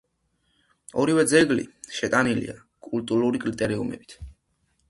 ორივე ძეგლი შეტანილია კულტურული კრიტერიუმებით.